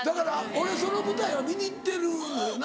俺その舞台は見に行ってるのよな。